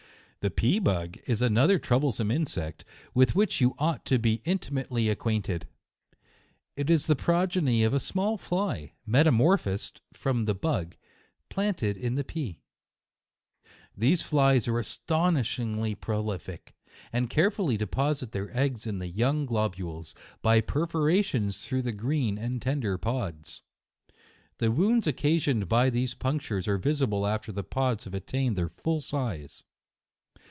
The pea bug is another troublesome insect, with which you ought to be intimately ac quainted. It is the progeny of a small fly, metamorphosed from the bug, planted in the pea. These flies are astonishingly prolific, and carefully deposit their eggs in the young globules, by perforations through the green and tender pods. The wounds occasioned by these punctures arc visible after the pods have attained their full size.